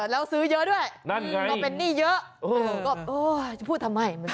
แล้วซื้อเยอะด้วยนั่นไงก็เป็นหนี้เยอะก็โอ้จะพูดทำไม